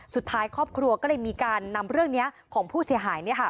สุดท้ายครอบครัวก็เลยมีการนำเรื่องนี้ของผู้เสียหาย